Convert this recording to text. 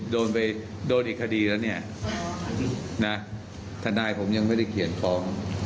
โดนไปโดนอีกคดีแล้วเนี่ยนะทนายผมยังไม่ได้เขียนฟ้อง